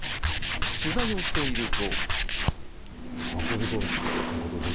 取材をしていると。